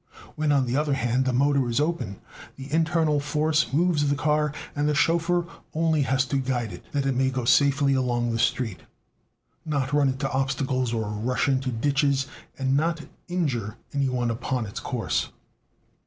When, on the other hand, the motor is open, the internal force moves the car and the chauffeur only has to guide it that it may go safely along the street, not run into obstacles or rush into ditches, and not injure any one upon its course.